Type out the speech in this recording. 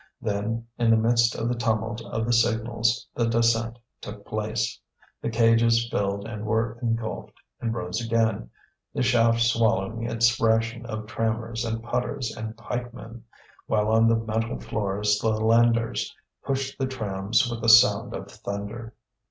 Then, in the midst of the tumult of the signals, the descent took place. The cages filled and were engulfed, and rose again, the shaft swallowing its ration of trammers and putters and pikemen; while on the metal floors the landers pushed the trams with a sound of thunder.